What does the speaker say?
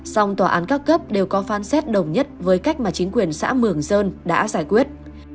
song tòa án các cấp đều có phán xét đồng nhất với cách mà chính quyền xã mường sơn đã giải quyết